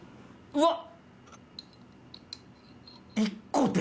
うわっ！